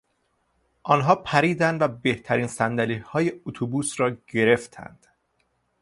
آنها پریدند و بهترین صندلیهای اتوبوس را گرفتند.